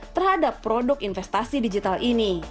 terhadap produk investasi digital ini